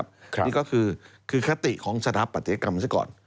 นี่ก็คือคติของสถาปัตยกรรมซะก่อน